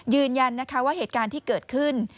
ยืนยันนะคะว่าเหตุการณ์ที่เกิดขึ้น